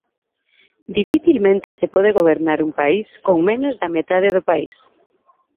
Dificilmente se pode gobernar un país con menos da metade do país.